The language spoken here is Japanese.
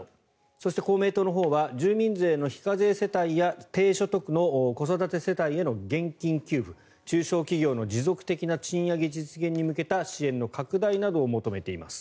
そして公明党のほうは住民税の非課税世帯や低所得の子育て世帯への現金給付中小企業の持続的な賃上げ実現に向けた支援の拡大などを求めています。